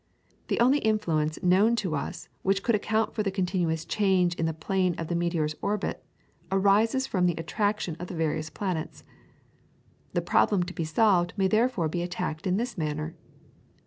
The only influence known to us which could account for the continuous change in the plane of the meteor's orbit arises from the attraction of the various planets. The problem to be solved may therefore be attacked in this manner.